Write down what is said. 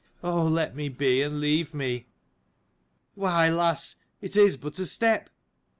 Oh let me be, and leave me." "Why, lass, it is but a step.